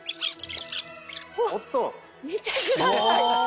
見てください！